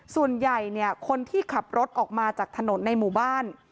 ส่วนใหญ่คนที่ขับรถออกมาจากถนนในหมู่บ้าน